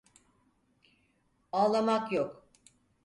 Ağlamak yok.